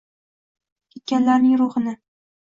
Ketganlarning ruhini.